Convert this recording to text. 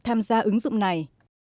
tham gia ứng dụng này